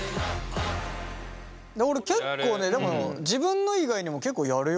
俺結構ねでも自分の以外にも結構やるよ。